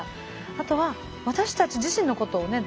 あとは私たち自身のことをね